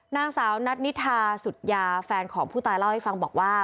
นางสาวนัทนิทาสุดยาแฟนของผู้ตายเล่าให้ฟังบอกว่า